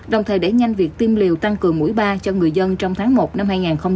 đồng thời đẩy nhanh việc tiêm liều tăng cường mũi ba cho người dân trong tháng một năm hai nghìn hai mươi